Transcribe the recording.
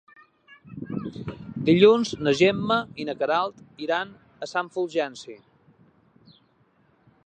Dilluns na Gemma i na Queralt iran a Sant Fulgenci.